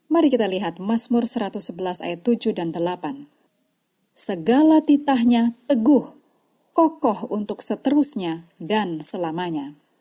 mari kita lihat masmur satu ratus sebelas ayat tujuh dan delapan